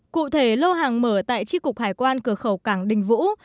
cụ thể lô hàng mở tại tri cục hải quan cửa khẩu cảng đình vũ